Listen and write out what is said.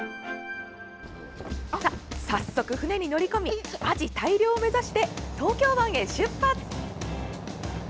早速、船に乗り込みアジ大漁を目指して東京湾へ出発！